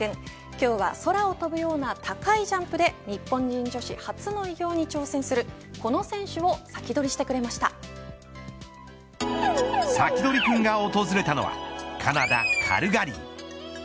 今日は、空を飛ぶような高いジャンプで、日本人女子初の偉業に挑戦するこの選手をサキドリ君が訪れたのはカナダ、カルガリー。